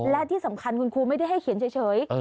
และที่สำคัญคุณครูไม่ได้ให้เขียนเฉย